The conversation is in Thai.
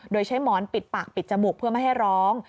โดยใช้หมอนปิดปากปิดจมูกเพื่อไม่ให้ร้อง